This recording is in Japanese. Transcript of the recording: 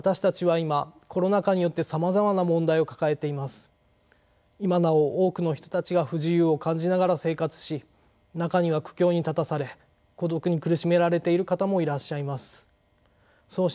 今なお多くの人たちが不自由を感じながら生活し中には苦境に立たされ孤独に苦しめられている方もいらっしゃいます。